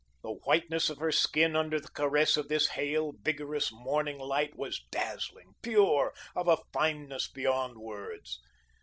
The whiteness of her skin under the caress of this hale, vigorous morning light was dazzling, pure, of a fineness beyond words.